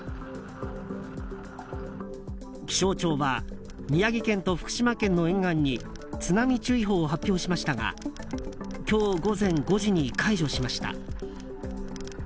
気象庁は宮城県と福島県の沿岸に津波注意報を発表しましたが今日午前５時に解除しました。